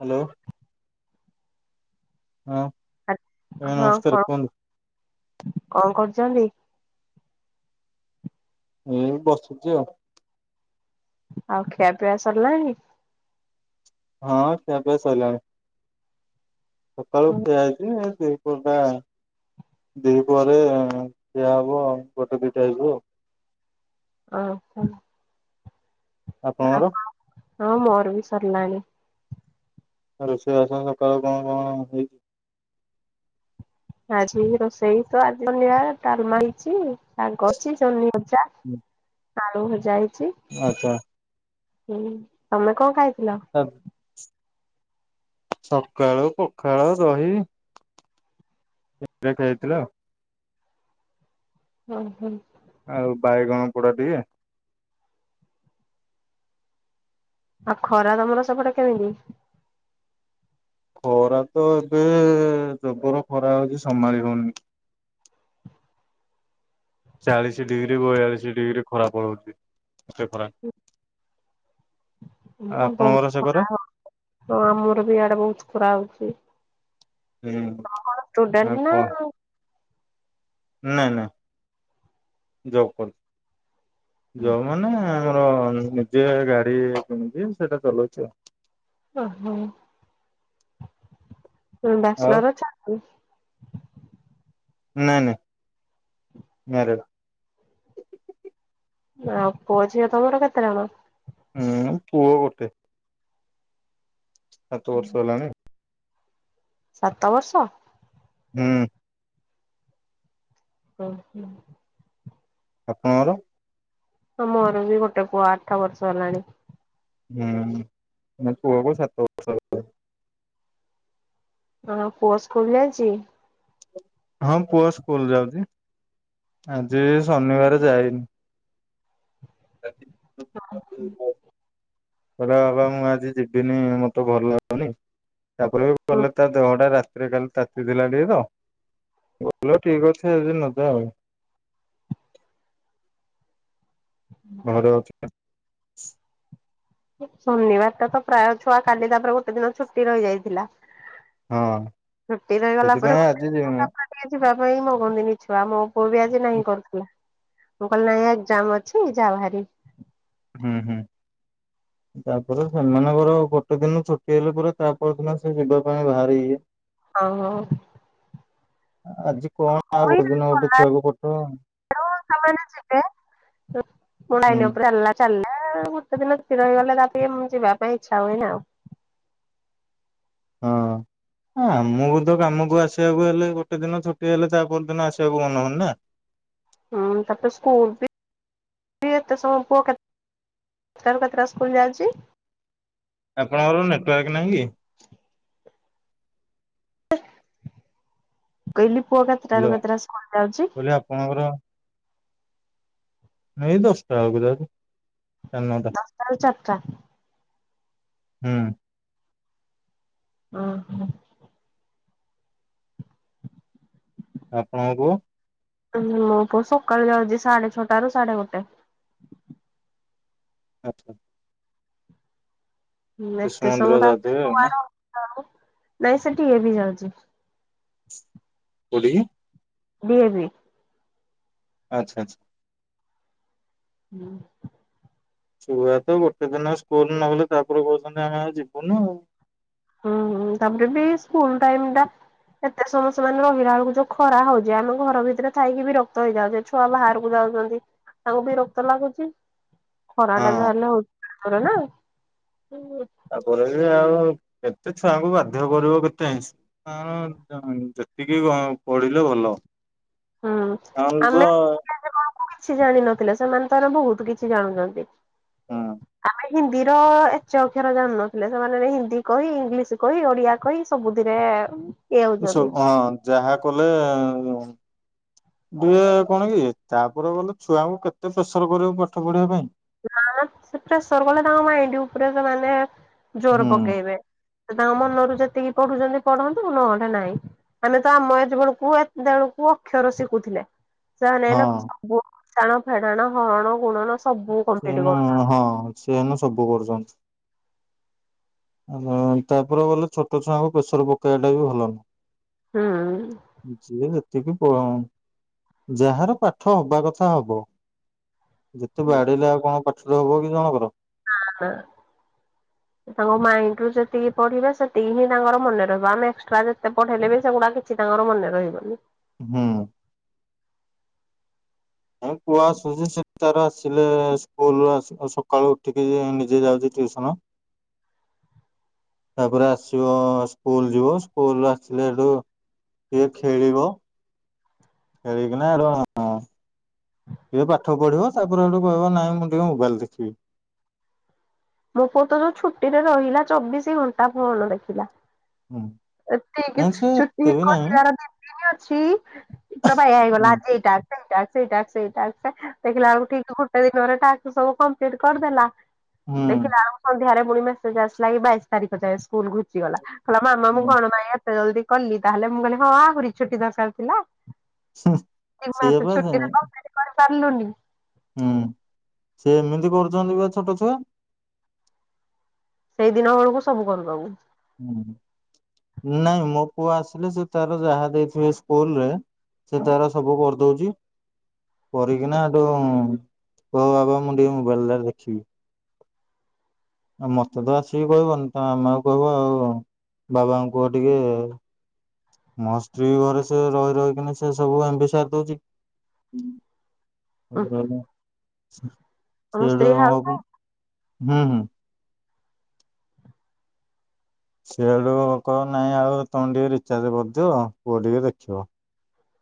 Hello. ହଁ। ଆଜ୍ଞା ହଁ ନମସ୍କାର କଣ କୁହନ୍ତୁ କଣ କରୁଛନ୍ତି? ହୁଁ ବସୁଛି ଆଉ, ଆଉ ଖିଆ ପିଇଆ ସରିଲାଣି? ହଁ ଖିଆ ପିଆ ସଇଲାଣି ସକାଳୁ ଠିଆ ହେଇଛି ଏ ସେଇ କୁର୍ ଟା ଦି ପହରେ ଖିଆ ହବ ଗୋଟେ ଦିଟା ହେଇଯିବ। ଅଂ ହ। ଆପଣଙ୍କର? ହଁ ମୋର୍ ବି ସର୍ଲାଣି। ଆଉ ରୋଷେଇ ବାସ ସକାଳୁ କଣ କଣ ହେଇଛି? ଆଜି ରୋଷେଇ ତ ଆଜି ଜନିଆ ଡାଲମା ହେଇଚି ଶାଗ ଅଛି ଜନି [unintelligible] ଆଳୁ ଭଜା ହେଇଚି। ଆଚ୍ଛା। ହୁଁ ତମେ କଂ ଖାଇଥିଲ? [unintelligible] ସକାଳୁ ପଖାଳ ଦହି [unintelligible] ଖାଇବା ହୋଇଥିଲା। ହୁଁ ହୁଁ। ଆଉ ବାଇଗଣ ପୋଡା ଟିକେ। ଆଉ ଖରା ତମର ସେପଟେ କେମିତି? ଖରା ତ ଏବେ ଜବର ଖରା ହଉଛି ସମ୍ଭାଳି ହଉନି। ଚାଳିଶି ଡିଗ୍ରୀ ବୟାଳିଶି ଡିଗ୍ରୀ ଖରା ପଳଉଛି। ଏତେ ଖରା [unintelligible] ମୁହଁ ଦଉ ଆପଣଙ୍କର ସେ ଖରା? ଆଉ [unintelligible] ହଁ ଆମର ବି ଇଆଡେ ବହୁତ୍ ଖରା ହଉଛି। ହୁଁ ନା କଂ ନାଇଁ ନାଇଁ ଜବ୍ କରୁଛି ଜବ୍ ମା ନେ ଆମର ନିଜେ ଆ ଗାଡି କିଣିକି ସେଟା ଚଲଉଛି ଆଉ। ଓ ହୋ ଉଁ ଆଉ ବ୍ୟାଚଲର୍ ଅଛ [unintelligible] ନାଇଁ ନାଇଁ ମ୍ୟାରେଡ୍। ନାଉ ପୁଅ ଝିଅ ତମର କେତେ ଜଣ? ହୁଁ ପୁଅ ଗୋଟେ। ସାତ ବର୍ଷ ହେଲାଣି। ସାତ ବର୍ଷ? ହୁଁ। ଉଁ ହୁଁ। ଆପଣଅର? ହଁ ମୋର ବି ଗୋଟେ ପୁଅ ଆଠ ବର୍ଷ ହେଲାଣି। ହୁଁ ମୋ ପୁଅକୁ ସାତ ବ ହଁ ପୁଅ ସ୍କୁଲ୍ ଯାଉଚି? ହଁ ପୁଅ ସ୍କୁଲ ଯାଉଚି। ଆଜି ଶନିବାର ଯାଇନି। [unintelligible] [unintelligible] କହିଲା ବାବା ମୁଁ ଆଜି ଯିବିନି ମତେ ଭଲ ଲାଗୁନି ତାପରେ [inaudible] ଗଲେ ତା ଦେହଟା ରା ତିରେ କାଲି ତାତିଥିଲା ଟିକେ ତ [unintelligible] ଠିକ୍ ଅଛି ଆଉ ଯଦି ନ ଯା। ଘରେ ଅଛି। ଶନିବାର ଟା ତ ପ୍ରାୟ ଛୁଆ କାଲି ତାପରେ ଗୋଟେ ଦିନ ଛୁଟି ରହିଯାଇଥିଲା ହଁ ଛୁଟି ରହିଗଲା ପରେ [inaudible] ସେଥିପାଇଁ ଟେ ଆଜି ଦିନ ଯିବିନି। ତାପରେ କିଏ ଯିବା ପାଇଁ ମଙ୍ଗତିନି ଛୁଆ ମୋ ପୁଅ ବି ଆଜି ନାହିଁ କରୁଥିଲା। ମୁଁ କହିଲି ନାଇ ଏକ୍ଜାମ୍ ଅଛି ଯାଓ ହେରି। ହୁଁ ହୁଁ। ତାପରେ ସେମାନଙ୍କର ଗୋଟେ ଦିନ ଛୁଟି ହେଇଗଲା ପରେ ତାପର ଦିନ ସେ ଯିବା ପାଇଁ ବାହାରି ଇଏ। ହଁ ହଁ। ଆଜି କଣ ଗୋଟେ ପା ଦିନ ଗୋଟେ ଛୁଆକୁ ପଠେଇବ? କଣ ସେମାନେ ଯିବେ ହୁଁ ଲାଇନ୍ ଉପରେ ଆଲା ଚାଲିଲା ଗୋଟେ ଦିନ ତ ସ୍ଥିର ହେଇଗଲେ ତାପରେ ଯିବା ପାଇଁ ଇଚ୍ଛା ହୁଏନି ଆଉ। ହଁ। ହ ଆମକୁ ତ କାମକୁ ଆସିବାକୁ ହେଲେ ଗୋଟେ ଦିନ ଛୁଟି ହେଲେ ତା ପର ଦିନ ଆସିବାକୁ ମନ ହୋଉନି ନା। ହୁଁ ତାପରେ ସ୍କୁଲ ବି ଏତେ ସମୟ ପୁଅ କେତେ କେତଟା ରୁ କେତେଟା ସ୍କୁଲ ଯାଉଛି? ଆପଣଙ୍କର ନେଟୱାର୍କ ନାହିଁ କି? କହିଲି ପୁଅ କେତେଟାରୁ ହ୍ୟାଲୋ କେତେଟା ସ୍କୁଲ ଯାଉଛି? କହିଲି ଆପଣଙ୍କର ଏଇ ଦଶଟା ବେଳକୁ ଯାଉଚି। ଶାଡେ ନଅଟା। ଦଶଟା ରୁ ଚାରିଟା। ହୁଁ। ଓହୋ। ଆପଣଙ୍କ ପୁଅ? ମୋ ପୁଅ ସକାଳୁ ଯାଉଛି ସାଢେ ଛଅଟାରୁ ସାଢେ ଗୋଟେ। ଆଚ୍ଛା। ନା ଶିଶୁ ଏତେ ସମୟ ମନ୍ଦିର [unintelligible] ଗାଧୋଇବେ ଆଉ ନା ଛୁଆରା ନାଇଁ ସେ ଡି ଏ ଭି ଯାଉଛି। କୋଉଠିକି? D A V. ଆଚ୍ଛା ଆଛା। ହୁଁ। ଛୁଆ ତ ଗୋଟେ ଦିନ ସ୍କୁଲ ନ ଗଲେ ତାପରେ କହୁଚନ୍ତି ଆମେ ଆଉ ଯିବୁନି। ହୁଁ ହୁଁ ତାପରେ ବି ସ୍କୁଲ ଟାଇମ୍ ଟା ଏତେ ସମୟ ସେମାନେ ରହିଲା ବେଳକୁ ଯୋଉ ଖରା ହୋଉଛି ଆମେ ଘର ଭିତରେ ଥାଇକି ବିରକ୍ତ ହେଇଯାଉଚେ। ଛୁଆ ବାହାରକୁ ଯାଉଛନ୍ତି ତାଙ୍କୁ ବିରକ୍ତ ଲାଗୁଛି। ଖରାଟା ହଁ ଯାହେଲେ ହୋଉଛି ଭାରି ଜୋରେ ନା। ତାପରେ ବି ଆଉ କେତେ ଛୁଆଙ୍କୁ ବାଧ୍ୟ କରିବ କେତେ ଇନ୍ସ୍ ତାଙ୍କର ଜ ଯେତିକି ଆଁ ପଢିଲେ ଭଲ। ହୁଁ କାରଣ ତ ଆମେ ଟୁ କ୍ଲାସ ବେଳକୁ କିଛି ଜାଣିନଥିଲେ ସେମାନେ ତ ହେଲେ ବହୁତ କିଛି ଜାଣୁଛନ୍ତି। ହଁ ଆମେ ହିନ୍ଦୀର ଏଚେ ଅକ୍ଷର ଜାଣନଥିଲେ ସେମାନେ ହିନ୍ଦୀ କହି ଇଂଲିଶ କହି ଓଡିଆ କହି ସବୁଥିରେ ଇଏ ହଉଛନ୍ତି ସବୁ ହଁ ଯାହା କଲେ ଡି ଏ କଣ କି ତାପରେ ଗଲେ ଛୁଆଙ୍କୁ କେତେ ପ୍ରେସର କରିବ ପାଠ ପଢିବା ପାଇଁ। ନାମ ସେ ପ୍ରେସର କଲେ ତାଙ୍କ ମାଇଣ୍ଡି ଉପରେ ସେମାନେ ଜୋର ହୁଁ ପକେଇବେ। ସେ ତାଙ୍କ ମନରୁ ଯେତିକି ପଢୁଛନ୍ତି ପଢ଼ନ୍ତୁ ନହେଲେ ନାଇଁ। ଆମେ ତ ଆମ ଏ ଜୀବନ କୁ ଏତେବେଳକୁ ଅକ୍ଷର ଶିଖୁଥିଲେ। ସେମାନେ ଏଇନା ହଁ ସବୁ ମିସାଣ ଫେଡାଣ ହରଣ ଗୁଣନ ସବୁ ସେ କମ୍ପ୍ଲିଟ ଏନୁ କରୁ ହଁ ସେ ଏନୁ ସବୁ କରୁଛନ୍ତି। ଆମର ତାପରେ ଗଲେ ଛୋଟ ଛୁଆଙ୍କୁ ପ୍ରେସର ପକେଇବା ଟା ବି ଭଲ ନୁହଁ। ହୁଁ। ଯିଏ ଯେତିକି ପ ଯାହାର ପାଠ ହବା କଥା ହବ। ଯେତେ ବାଡେଇଲେ ଆଉ କଣ ପାଠରେ ହବ କି ଜଣଙ୍କର। ନା ନା। ତାଙ୍କ ମାଇଣ୍ଡ ରୁ ଯେତିକି ପଢିବେ ସେତିକି ହିଁ ତାଙ୍କର ମନେ ରହିବ ଆମେ ଏକ୍ସଟ୍ରା ଯେତେ ପଢେଇଲେ ବି ସେଗୁଡାକ କି କିଛି ତାଙ୍କର ମନେ ରହିବନି। ହୁଁ। ଏ ପୁଅ ଆସୁଛି ସେ ତାର ଆସିଲେ ସ୍କୁଲ ସକାଳୁ ଉଠିକି ନିଜେ ଯାଉଛି ଟିଉସନ। ତାପରେ ଆସିବ ସ୍କୁଲ ଯିବ ସ୍କୁଲୁ ଆସିଲେ ସେଠୁ ଟିକେ ଖେଳିବ। ଖେଳି କି ନା ର ଅ ଟିକେ ପାଠ ପଢିବ ତାପରେ ସେଠୁ କହିବ ନାଇଁ ମୁଁ ଟିକେ ମୋବାଇଲ ଦେଖିବି। ମୋ ପୁଅ ତ ଯୋଉ ଛୁଟିରେ ରହିଲା ଚବିଶି ଘଣ୍ଟା ଫୋନ ଦେଖିଲା। ହୁଁ। ଏତି କି ନାଇଁ ସେ ଛୁଟି ଏତେ ବି ନାହିଁ କରିବାର ଦି ନ ଅଛି ପ୍ରଭା ଇଏ ହେଇଗଲା ହୁଁ ଆଜି ଏଇଟା ସେଇଟା ସେଇଟା ସେଇଟା। ଦେଖିଲା ବେଳକୁ ଠିକ ଗୋଟେ ଦିନରେ ତାକୁ ସବୁ କମ୍ପ୍ଲିଟ କରିଦେଲା ହୁଁ। ଦେଖିଲା ବେଳକୁ ସନ୍ଧ୍ୟାରେ ପୁଣି ମେସେଜ ଆସିଲା କି ବାଇଶି ତାରିଖ ଯାଏଁ ସ୍କୁଲ ଘୁଞ୍ଚି ଗଲା କହିଲା ମା ହୁଁ କଣ ବା ଏତେ ଜଲଦି କଲି ତାହେଲେ ମୁଁ କହିଲି ହଁ ଆହୁରି ଛୁଟି ଦରକାର ଥିଲା। ଏ ସିଏ ମାସ ବା ସେ- ଛୁଟିରେ କମ୍ଲିଟ୍ କରିସାରିଲୁଣି। ହୁଁ ସେ ଏମିତି କରୁଛନ୍ତି ବା ଛୋଟ ଛୁଆ। ସେଇ ଦିନ ବେଳକୁ ସବୁ କରିଦବୁ। ନାଇଁ ମୋ ପୁଅ ଆସିଲେ ସେ ତାର ଯାହା ଦେଇଥିବେ ସ୍କୁଲ ରେ। ସେ ତାର ସବୁ କରିଦଉଛି। କରିକିନା ଏଠୁ କହିବ ବାବା ମୁଁ ଟିକେ ମୋବାଇଲଟା ଦେଖିବି। ଆ ମତେ ତ ଆସିକି କହିବନି ତା ମାମକୁ କହିବ ଆଉ ବାବାଙ୍କୁ କୁହ ଟିକେ ମୋ ସ୍ତ୍ରୀ ଘରେ ସେ ରହି ରହିକିନି ସେ ସବୁ ଏମବି ସାରି ଦଉଛି। [unintelligible] ଆମ ସେଇଠୁ ସ୍ତ୍ରୀ ହାଉସ ହୁଁ ହୁଁ। ସେଠୁ କହିବ ନାଇଁ ଆଉ ତମେ ଟିକେ ରିଚାର୍ଜ କରିଦିିବ ପୁଅ ଟିକେ ଦେଖିବ।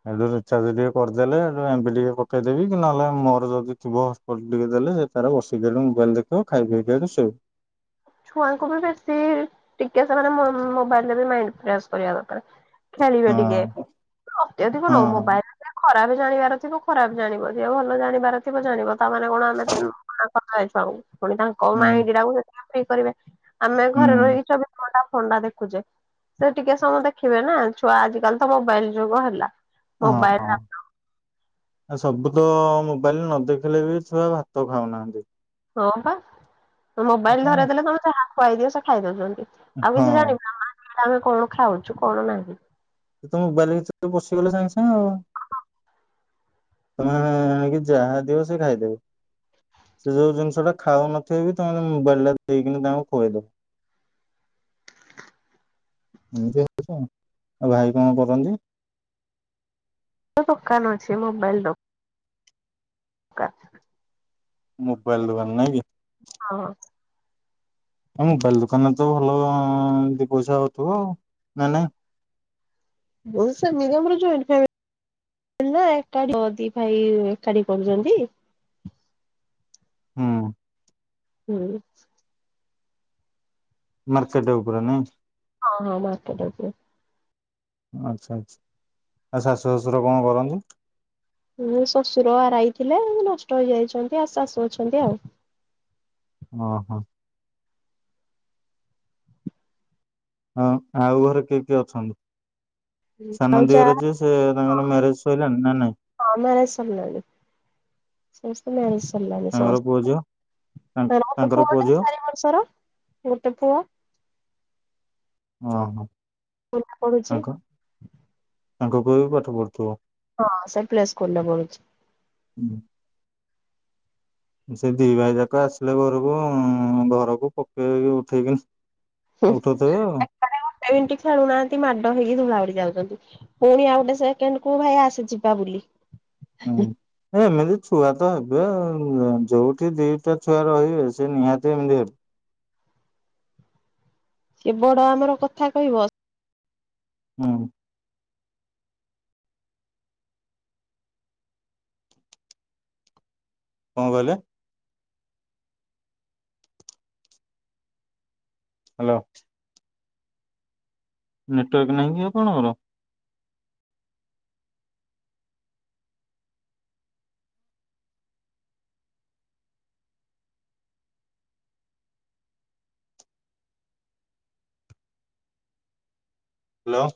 ସେଠୁ ରିଚାର୍ଜ ଟିକେ କରିଦେଲେ ଏଠୁ ଏମବି ଟିକେ ପକେଇଦେବି କି ନହେଲେ ମୋର ଯଦି ଥିବ କରି ଟିକେ ଦେଲେ ସେ ତାର ବସିକି ତାର ମୋବାଇଲ ଦେଖିବ ଖାଇପିଇକି ଶୋଇବ। ଛୁଆଙ୍କୁ ବି ବେଶୀ ଟିକେ ସେମାନେ ମୋବାଇଲ ରେ ବି ମାଇଣ୍ଡ ଫ୍ରେସ୍ କରିବା ଦରକାର। ଖେଳିବେ ଟିକେ ହଁ ଅତ୍ୟଧିକ ନ ହଁ ମୋବାଇଲରେ ଖରା ବି ଜାଣିବାର ଥିବ ଖରାପ ଜାଣିବ ଯିଏ ଭଲ ଜାଣିବାର ଥିବ ଜାଣିବ ତାମାନେ କଣ ଆମେ [unintelligible] ହୋଉ ହୁଁ ମାଇଣ୍ଡ ଟାକୁ ତ ଫ୍ରି କରିବେ ଆମେ ହୁଁ ଘରେ ରହିକି ଚବିଶ ଘଣ୍ଟା ଫୋନଟା ଦେଖୁଚେ। ସେ ଟିକେ ସମୟ ଦେଖିବେ ନା ଛୁଆ ଆଜିକାଲି ତ ମୋବାଇଲ ଯୁଗ ହେଲା। ହଁ ମୋବାଇଲ ହଁ। ସବୁ ତ ମୋବାଇଲରେ ନ ଦେଖିଲେ ବି ଛୁଆ ଭାତ ଖାଉନାହାନ୍ତି। ହଁ ବା ଆଉ ମୋବାଇଲ କଣ ଧରେଇଦେଲେ ତମେ ଯାହା ଖୁଆଇଦିଅ ସେ ଖାଇ ଦଉଛନ୍ତି। ଆଉ କିଛି ଜାଣି ହଁ ପାରୁନାହାଁନ୍ତି ଆମେ କଣ ଖାଉଛୁ କଣ ନାହିଁ। ସେତ ମୋବାଇଲ ଭିତରେ ପଶିଗଲେ ସାଙ୍ଗେ ସାଙ୍ଗେ ଆଉ। ତମେ ଆଣିକି ଯାହା ଦିଅ ସେ ଖାଇଦେବେ। ସେ ଯୋଉ ଜିନିଷ ଟା ଖାଉ ନଥିବେ ବି ତମେ ତାଙ୍କୁ ମୋବାଇଲ ଟା ଦେଇକିନି ତାଙ୍କୁ ଖୁଆଇଦବ। ଏମିତିଆ କଥା, ଆଉ ଭାଇ କଣ କରନ୍ତି? ତା ଦୋକାନ ଅଛି ମୋବାଇଲ ଦୋ କା ମୋବାଇଲ ଦୋକାନ ନାଇଁ କି? ହଁ ହ। ମୋବାଇଲ ଦୋକାନରେ ତ ଭଲ ଦି ପଇସା ହୋଉଥୁବ ଆଉ ନାଁ ନାଇଁ? ବହୁ ସେ [unintelligible] ହେଲେ ଏକାଠି ଦି ଭାଇ ଏକାଠି କରୁଛନ୍ତି। ହୁଁ। ହୁଁ। ମାର୍କେଟ୍ ଉପରେ ନାଇଁ? ହଁ ହଁ ମାର୍କେଟ ଉପରେ। ଆଚ୍ଛା ଆଚ୍ଛା ଆଉ ଶାଶୁ ଶଶୁର କଣ କରନ୍ତି? ମୋ ଶ୍ୱଶୁର ଆରାଇ ଥିଲେ ନଷ୍ଟ ହେଇଯାଇଛନ୍ତି ଆଉ ଶାଶୁ ଅଛନ୍ତି ଆଉ। ଓ ହୋ। ହଁ ଆଉ ଘରେ କିଏ କିଏ ଅଛନ୍ତି? ସାନ ଆଉ ଯା ଦିଅର ଜେ ସେ ତାଙ୍କର ମ୍ୟାରେଜ ସହିଲାଣି ନା ନାଇଁ। ହଁ ମ୍ୟାରେଜ୍ ସରିଲାଣି। ସମସ୍ତଙ୍କର ମ୍ୟାରେଜ ସରିଲାଣି ତାଙ୍କର ପୁଅ ସମସ୍ତଙ୍କର ଝିଅ? ମୋର ଗୋଟେ ତାଙ୍କର ପୁଅ ପୁଅଟେ ଝିଅ ଚାରି ବର୍ଷର। ବର୍ଷର ଗୋଟେ ପୁଅ। ଓ ହଁ। ଖୋଲା ପଡ଼ୁଛି। ତାଙ୍କ ପୁଅ ବି ପାଠ ପଢୁଥିବ। ହଁ ସେ ପ୍ଲେ ସ୍କୁଲ୍ ରେ ପଢୁଚି। ହୁଁ। ସେ ଦି ଭାଇ ଯାକ ଆସିଲେ ଘରକୁ ଉଁ ଘରକୁ ପକେଇବେ କି ଉଠେଇବେ। ଏକାଠି ଗୋଟେ ମିନଟ୍ ଖେଳୁନାହାନ୍ତି ମାଡ଼ ହେଇକି ଧୂଳା ଉଡ଼ି ଯାଉଛନ୍ତି। ପୁଣି ଆଉ ଗୋଟେ ସେକେଣ୍ଡ କୁ ଭାଇ ଆସେ ଯିବା ବୁଲି। ହୁଁ। ଏ ଏମିତି ଛୁଆ ତ ହେବେ ଆଉ ଯୋଉଠି ଦିଟା ଛୁଆ ରହିବେ ସେ ନିହାତି ଏମିତି ହେବେ। ସେ ବଡ ଆମର କଥା କହିବ। ହୁଁ। କଣ କହିଲେ? ହ୍ୟାଲୋ। ନେଟୱାର୍କ ନାହିଁ କି ଆପଣଙ୍କର। ହ୍ୟାଲୋ।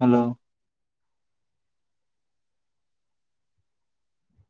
ହ୍ୟାଲୋ।